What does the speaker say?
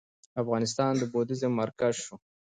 افغانستان د بودیزم مرکز شو